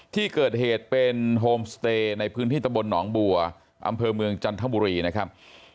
ที่เกิดเหตุเป็นโฮมสเตย์ในพื้นที่ตะบลหนองบัวอำเภอเมืองจันทบุรีนะครับ